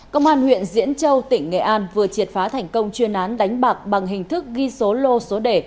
công an huyện diễn châu tỉnh nghệ an vừa triệt phá thành công chuyên án đánh bạc bằng hình thức ghi số lô số đề